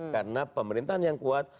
karena pemerintahan yang kuat